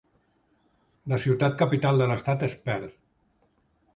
La ciutat capital de l'estat és Perth.